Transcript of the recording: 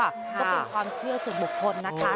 ก็คือความเชื่อส่วนบกทนนะคะ